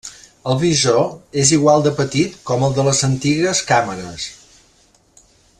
El visor és igual de petit com el de les antigues càmeres.